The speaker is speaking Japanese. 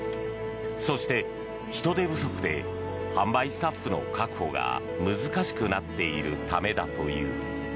そして、人手不足で販売スタッフの確保が難しくなっているためだという。